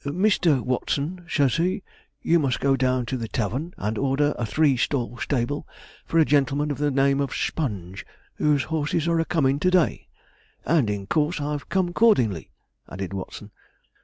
"Mr. Watson," says he, "you must go down to the tavern and order a three stall stable for a gentleman of the name of Sponge, whose horses are a comin' to day"; and in course I've come 'cordingly,' added Watson.